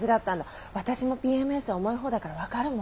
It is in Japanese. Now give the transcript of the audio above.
私もＰＭＳ重い方だから分かるもん。